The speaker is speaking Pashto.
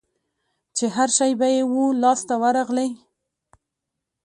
چي هرشی به یې وو لاس ته ورغلی